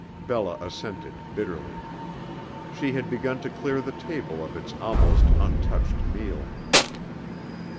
Bella assented, bitterly. She had begun to clear the table of its almost untouched meal.